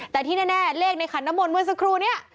แต่ที่แน่เลขในขันน้ำมนเหมือนสกรูเนี่ย